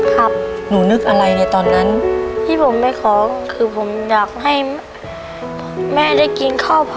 ทุกใจมากใช่มั้ยครับ